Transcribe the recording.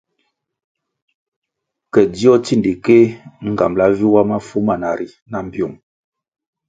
Ke dzio tsindikéh nğambala vi wa mafu mana ri na mbpiung.